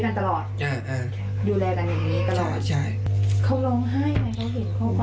เขาร้องไห้ไหมเขาหิดเขาบ้างไหม